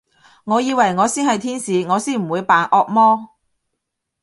我以為我先係天使，我先唔會扮惡魔